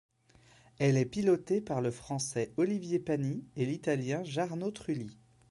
Elle est pilotée par le Français Olivier Panis et l'Italien Jarno Trulli.